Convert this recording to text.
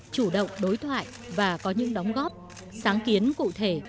chủ động đối thoại và có những đóng góp sáng kiến cụ thể